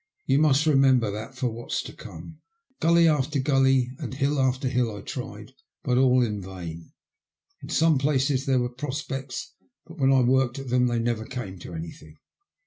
You must remem ber that for what's to come. Gully after gully, and hill after hill I tried, but all in vain. In some places there were prospects, but when I worked at them they never came to anything.